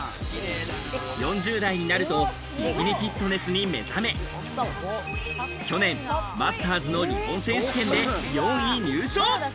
４０代になるとビキニフィットネスに目覚め、去年、マスターズの日本選手権で４位入賞。